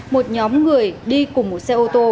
một nhóm người đi cùng một xe ô tô